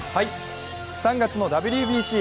３月のＷＢＣへ。